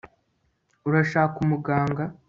urashaka umuganga